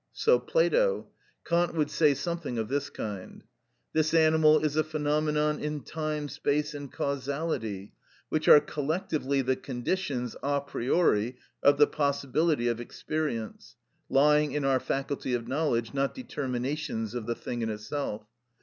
So Plato; Kant would say something of this kind, "This animal is a phenomenon in time, space, and causality, which are collectively the conditions a priori of the possibility of experience, lying in our faculty of knowledge, not determinations of the thing in itself.